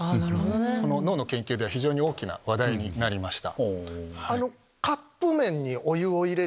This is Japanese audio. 脳の研究では非常に大きな話題になりました。